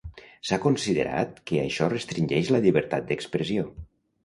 S'ha considerat que això restringeix la llibertat d'expressió.